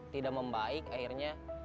tidak membaik akhirnya